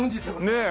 ねえ。